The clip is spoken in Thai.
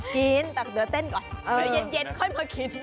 กินแต่เดี๋ยวเต้นก่อนเดี๋ยวเย็นค่อยมากิน